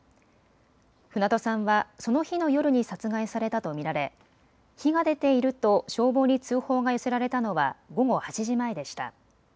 船戸さんはその日の夜に殺害されたと見られ火が出ていると消防に通報が寄せられたのは午後８時前でした。